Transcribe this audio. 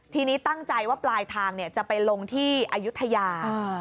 ทีนี้ตั้งใจว่าปลายทางจะไปลงที่อายุทยา